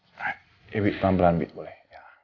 nah ibi pelan pelan ibi boleh